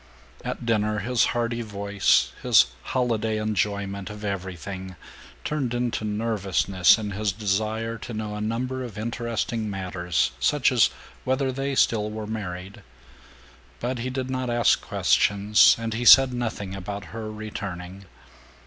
At dinner his hearty voice, his holiday enjoyment of everything, turned into nervousness in his desire to know a number of interesting matters, such as whether they still were married. But he did not ask questions, and he said nothing about her returning.